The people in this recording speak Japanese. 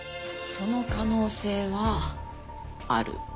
その可能性はある。